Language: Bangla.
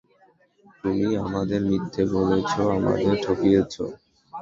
তুমি আমাদের মিথ্যা বলেছ, আমাদের ঠকিয়েছো।